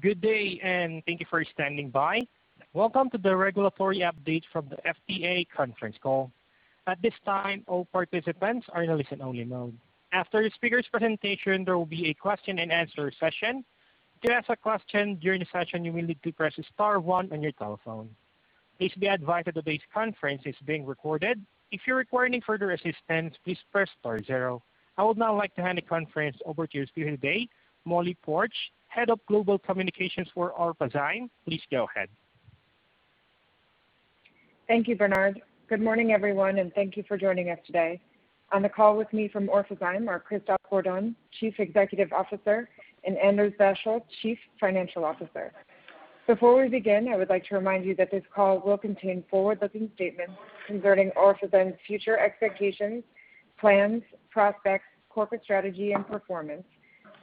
Good day, and thank you for standing by. Welcome to the Regulatory Updates from the FDA Conference Call. At this time, all participants are in listen-only mode. After the speaker's presentation, there will be a question-and-answer session. To ask a question during the session, you will need to press star one on your telephone. Please be advised that today's conference is being recorded. If you're requiring further assistance, please press star zero. I would now like to hand the conference over to speaker today. Molly Poarch, Head of Global Communications for Orphazyme. Please go ahead. Thank you, Bernard. Good morning, everyone, and thank you for joining us today. On the call with me from Orphazyme are Christophe Bourdon, Chief Executive Officer, and Anders Vadsholt, Chief Financial Officer. Before we begin, I would like to remind you that this call will contain forward-looking statements concerning Orphazyme's future expectations, plans, prospects, corporate strategy, and performance,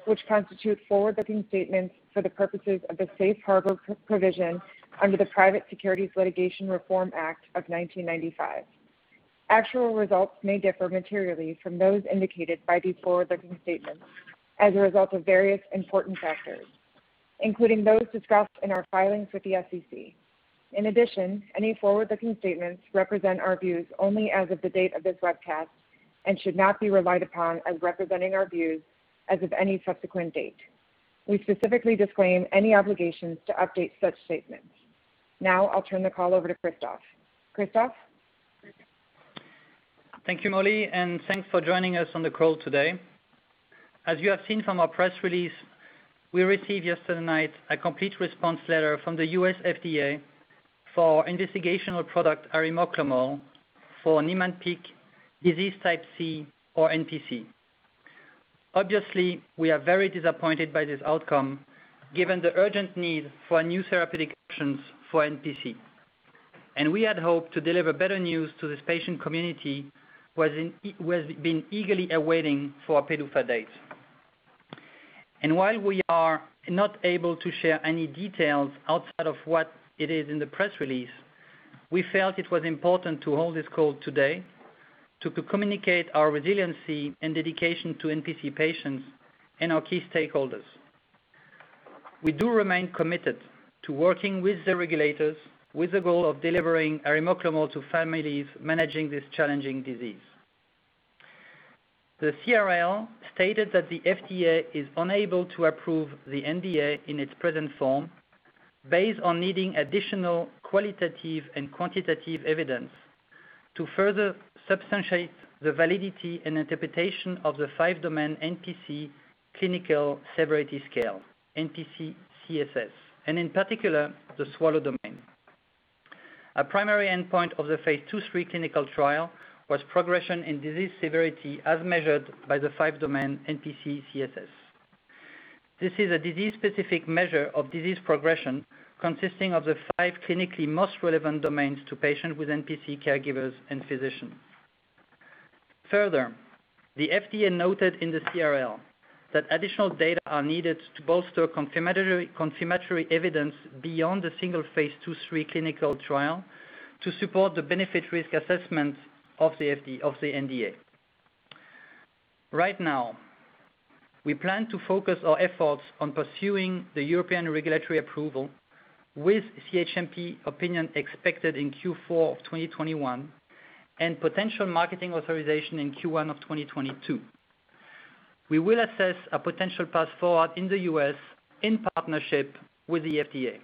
which constitute forward-looking statements for the purposes of the safe harbor provision under the Private Securities Litigation Reform Act of 1995. Actual results may differ materially from those indicated by these forward-looking statements as a result of various important factors, including those discussed in our filings with the SEC. In addition, any forward-looking statements represent our views only as of the date of this webcast and should not be relied upon as representing our views as of any subsequent date. We specifically disclaim any obligations to update such statements. Now, I'll turn the call over to Christophe. Christophe? Thank you, Molly, and thanks for joining us on the call today. As you have seen from our press release, we received yesterday night a complete response letter from the U.S. FDA for investigational product arimoclomol for Niemann-Pick disease type C or NPC. Obviously, we are very disappointed by this outcome given the urgent need for new therapeutic options for NPC. We had hoped to deliver better news to this patient community, who has been eagerly awaiting for a PDUFA date. While we are not able to share any details outside of what it is in the press release, we felt it was important to hold this call today to communicate our resiliency and dedication to NPC patients and our key stakeholders. We do remain committed to working with the regulators with the goal of delivering arimoclomol to families managing this challenging disease. The CRL stated that the FDA is unable to approve the NDA in its present form based on needing additional qualitative and quantitative evidence to further substantiate the validity and interpretation of the five-domain NPC Clinical Severity Scale, NPCCSS, and in particular, the swallow domain. Our primary endpoint of the phase II/III clinical trial was progression in disease severity as measured by the five-domain NPCCSS. This is a disease-specific measure of disease progression consisting of the five clinically most relevant domains to patients with NPC caregivers and physicians. The FDA noted in the CRL that additional data are needed to bolster confirmatory evidence beyond the single phase II/III clinical trial to support the benefit risk assessment of the NDA. Right now, we plan to focus our efforts on pursuing the European regulatory approval with CHMP opinion expected in Q4 of 2021 and potential marketing authorization in Q1 of 2022. We will assess a potential path forward in the U.S. in partnership with the FDA.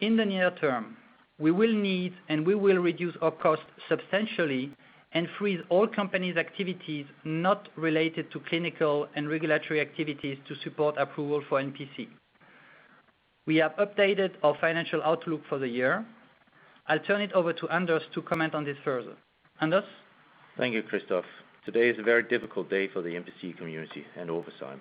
In the near term, we will need and we will reduce our costs substantially and freeze all company activities not related to clinical and regulatory activities to support approval for NPC. We have updated our financial outlook for the year. I'll turn it over to Anders to comment on this further. Anders? Thank you, Christophe. Today is a very difficult day for the NPC community and Orphazyme.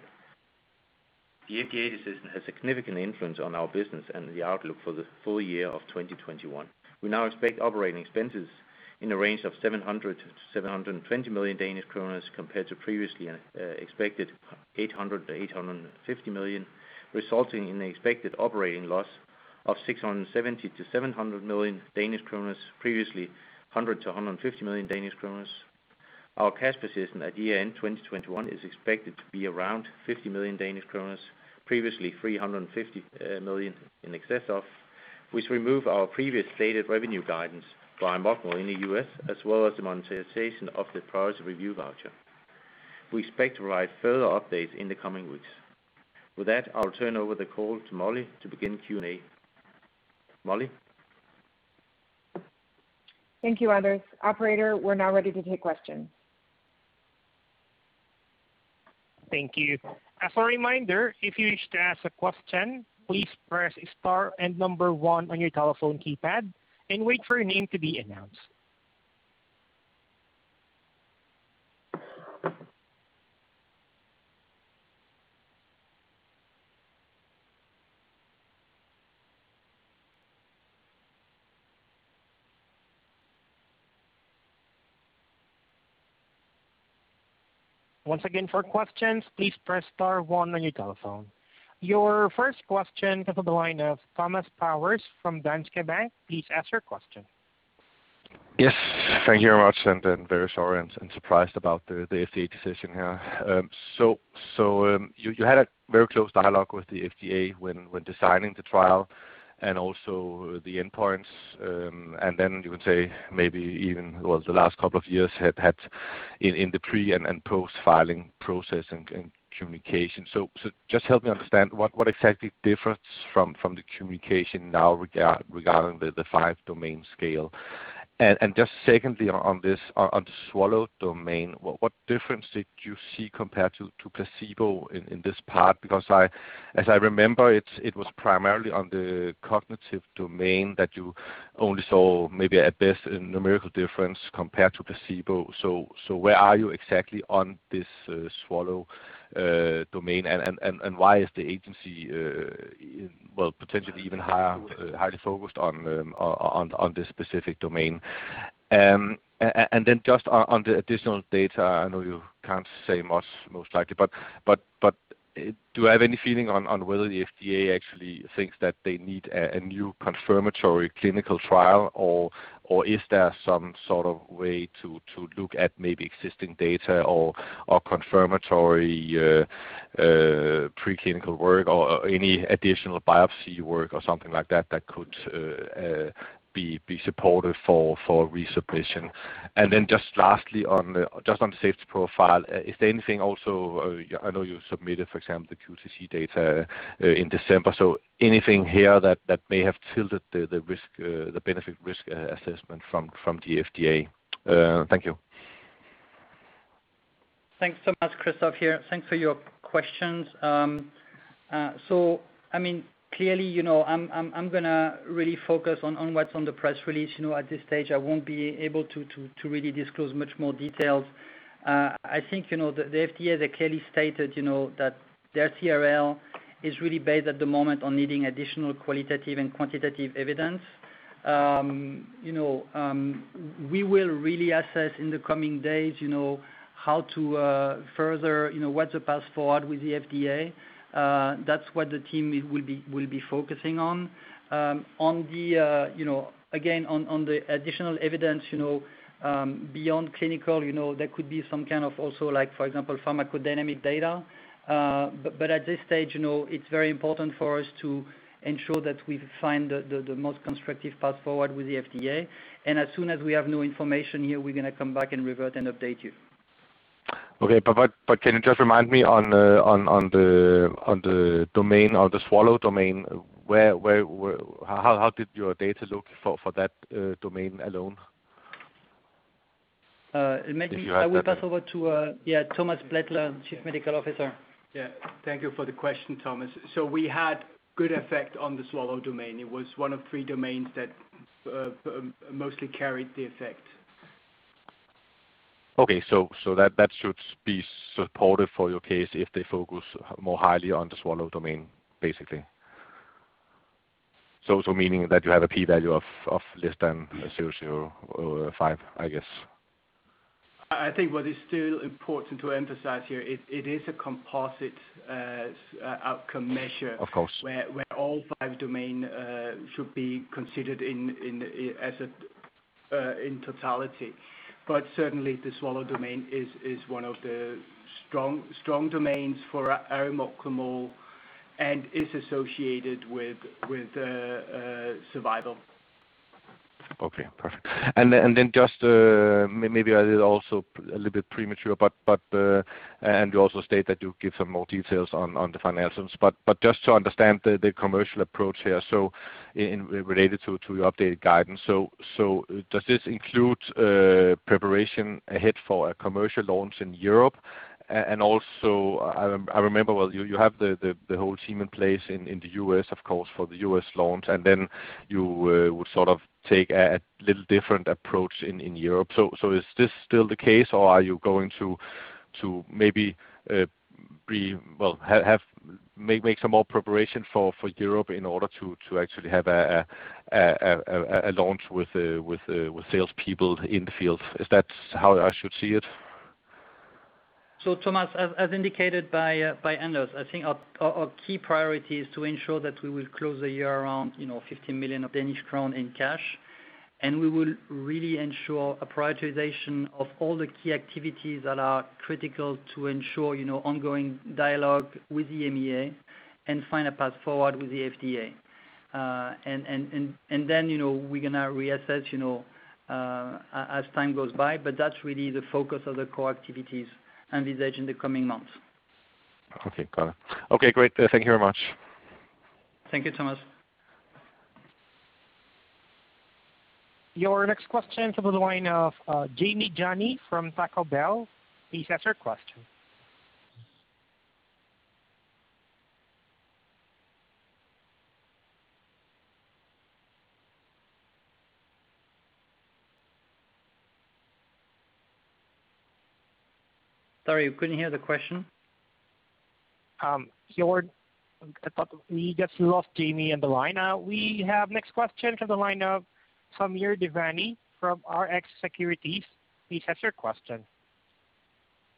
The FDA decision has significant influence on our business and the outlook for the full year of 2021. We now expect operating expenses in the range of 700 million-720 million Danish kroner compared to previously expected 800 million-850 million, resulting in an expected operating loss of 670 million-700 million Danish kroner, previously 100 million-150 million Danish kroner. Our cash position at the end of 2021 is expected to be around 50 million Danish kroner, previously 350 million in excess of, which remove our previous stated revenue guidance for arimoclomol in the U.S. as well as the monetization of the priority review voucher. We expect to provide further updates in the coming weeks. With that, I'll turn over the call to Molly to begin Q&A. Molly? Thank you, Anders. Operator, we're now ready to take questions. Thank you. As a reminder, if you wish to ask a question, please press star and one on your telephone keypad and wait for your name to be announced. Once again, for questions, please press star one on your telephone. Your first question comes on the line of Thomas Bowers from Danske Bank. Please ask your question. Yes. Thank you very much. Very sorry and surprised about the FDA decision here. You had a very close dialogue with the FDA when deciding the trial and also the endpoints, then you would say maybe even over the last two years have had in the pre- and post-filing process and communication. Just help me understand what exactly differs from the communication now regarding the five-domain scale. Just secondly, on the swallow domain, what difference did you see compared to placebo in this part? Because as I remember, it was primarily on the cognitive domain that you only saw maybe at best a numerical difference compared to placebo. Where are you exactly on this swallow domain, and why is the agency potentially even highly focused on this specific domain? Just on the additional data, I know you can't say much, most likely, but do you have any feeling on whether the FDA actually thinks that they need a new confirmatory clinical trial, or is there some sort of way to look at maybe existing data or confirmatory pre-clinical work or any additional biopsy work or something like that that could be supported for resubmission? Just lastly, just on safety profile, is there anything also, I know you submitted, for example, the QTc data in December, so anything here that may have tilted the benefit-risk assessment from the FDA? Thank you. Thanks so much, Christophe, here. Thanks for your questions. Clearly, I'm going to really focus on what's on the press release. At this stage, I won't be able to really disclose much more details. I think, the FDA, they clearly stated that their CRL is really based at the moment on needing additional qualitative and quantitative evidence. We will really assess in the coming days what's the path forward with the FDA. That's what the team will be focusing on. Again, on the additional evidence beyond clinical, there could be some kind of also like, for example, pharmacodynamic data. At this stage, it's very important for us to ensure that we find the most constructive path forward with the FDA, and as soon as we have new information here, we're going to come back and we're going to update you. Okay. can you just remind me on the swallow domain, how did your data look for that domain alone? Maybe I will pass over to, yeah, Thomas Blaettler, Chief Medical Officer. Yeah. Thank you for the question, Thomas. We had good effect on the swallow domain. It was one of three domains that mostly carried the effect. Okay. That should be supported for your case if they focus more highly on the swallow domain, basically. Also meaning that you have a p-value of less than 0.05, I guess. I think what is still important to emphasize here, it is a composite outcome measure Of course. where all five domain should be considered in totality. Certainly, the swallow domain is one of the strong domains for arimoclomol and is associated with survival. Okay, perfect. just maybe a little also a little bit premature, but, and you also stated you'll give some more details on the financials, but just to understand the commercial approach here, so related to your updated guidance. does this include preparation ahead for a commercial launch in Europe? also, I remember, well, you have the whole team in place in the U.S., of course, for the U.S. launch, and then you will sort of take a little different approach in Europe. is this still the case, or are you going to maybe make some more preparation for Europe in order to actually have a launch with salespeople in the field? Is that how I should see it? Thomas, as indicated by Anders, I think our key priority is to ensure that we will close the year around 15 million Danish crown in cash, and we will really ensure a prioritization of all the key activities that are critical to ensure ongoing dialogue with the EMA and find a path forward with the FDA. we're going to reassess as time goes by, but that's really the focus of the core activities and this stage in the coming months. Okay, got it. Okay, great. Thank you very much. Thank you, Thomas. Your next question comes on the line of Jamie Johnny from TD Cowen. Please ask your question. Sorry, couldn't hear the question. We just lost Jamie on the line. We have next question from the line of Samir Devani from Rx Securities. Please ask your question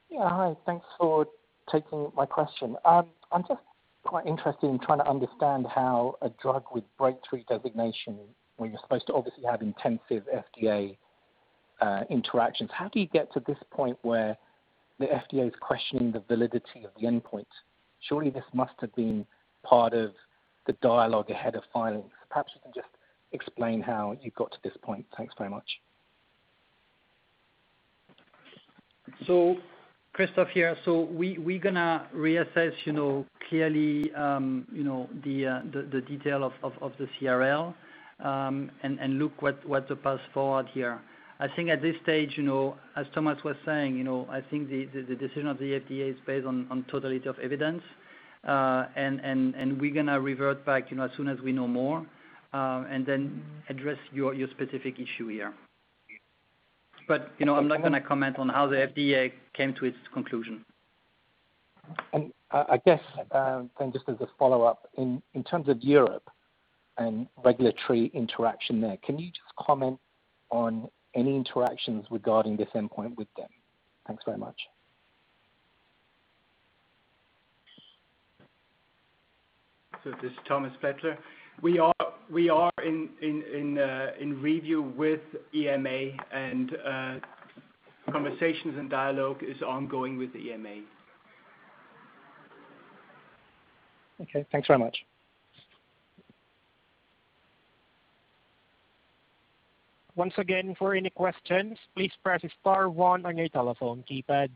Yeah. Hi, thanks for taking my question. I'm just quite interested in trying to understand how a drug with breakthrough designation, where you're supposed to obviously have intensive FDA interactions, how do you get to this point where the FDA is questioning the validity of the endpoint? Surely this must have been part of the dialogue ahead of filing. Perhaps you can just explain how you got to this point. Thanks very much. Christophe here. We are going to reassess clearly the detail of the CRL, and look what the path forward here. I think at this stage, as Thomas was saying, I think the decision of the FDA is based on totality of evidence. We're going to revert back, as soon as we know more, and then address your specific issue here. I'm not going to comment on how the FDA came to its conclusion. I guess, then just as a follow-up, in terms of Europe and regulatory interaction there, can you just comment on any interactions regarding this endpoint with them? Thanks very much. this is Thomas Blaettler. We are in review with EMA and conversations and dialogue is ongoing with EMA. Okay, thanks very much. Once again, for any questions, please press star one on your telephone keypad.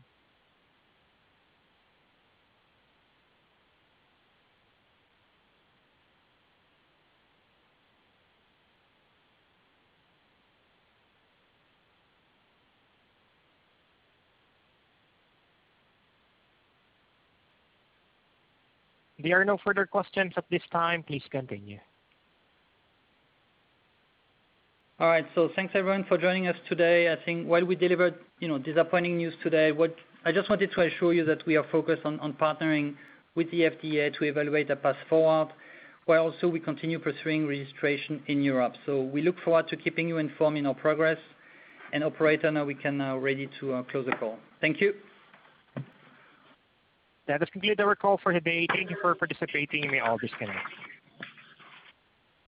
There are no further questions at this time. Please continue. All right. Thanks everyone for joining us today. I think while we delivered disappointing news today, I just wanted to assure you that we are focused on partnering with the FDA to evaluate the path forward, while also we continue pursuing registration in Europe. We look forward to keeping you informed on our progress. Operator, now we are ready to close the call. Thank you. That does conclude our call for today. Thank you for participating. You may all disconnect.